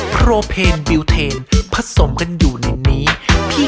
โครเพนบิวเทนผสมกันอยู่ในนี้